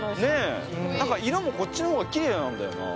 色もこっちの方がきれいなんだよな。